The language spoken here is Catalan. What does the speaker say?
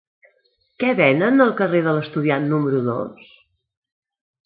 Què venen al carrer de l'Estudiant número dos?